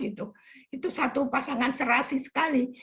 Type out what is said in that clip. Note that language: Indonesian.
itu satu pasangan serasi sekali